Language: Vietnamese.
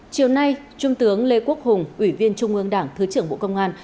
chiều nay trung tướng lê quốc hùng ủy viên trung ương đảng thứ trưởng bộ công an